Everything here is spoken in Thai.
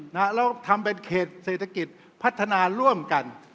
แล้วทำเป็นเขตเศรษฐกิจพัฒนาร่วมกัน